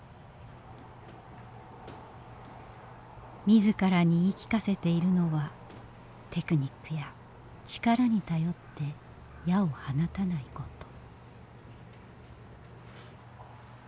自らに言い聞かせているのはテクニックや力に頼って矢を放たないこと。